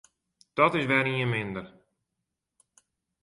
Dat is wer ien minder.